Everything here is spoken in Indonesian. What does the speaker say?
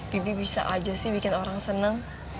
bibi bisa aja sih bikin orang senang